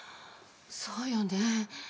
そうよね。